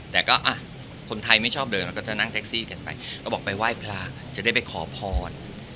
แต่ก็คนไทยไม่ชอบเดินเราก็จะนั่งแท็กซี่กันไปก็บอกไปไหว้พระจะได้ไปขอพร